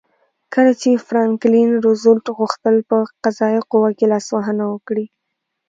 کله چې فرانکلین روزولټ غوښتل په قضایه قوه کې لاسوهنه وکړي.